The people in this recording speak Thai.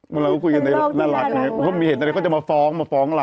เราก็คุยกันในน่ารักไงเขามีเหตุอะไรเขาจะมาฟ้องมาฟ้องเรา